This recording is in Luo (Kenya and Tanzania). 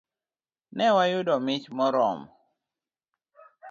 Ne wayudo mich moromo.